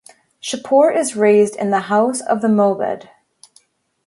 Shapur is raised in the house of the Mowbed.